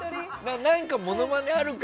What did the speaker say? ものまねあるか？